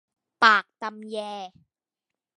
ปากตำแย